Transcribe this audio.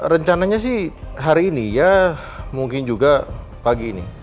rencananya sih hari ini ya mungkin juga pagi ini